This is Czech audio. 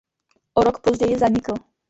O rok později zanikl.